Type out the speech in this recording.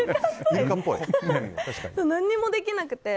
何もできなくて。